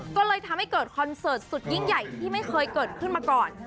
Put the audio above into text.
ก็เลยทำให้เกิดคอนเสิร์ตสุดยิ่งใหญ่ที่ไม่เคยเกิดขึ้นมาก่อน